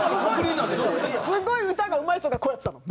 すごい歌がうまい人がこうやってたの。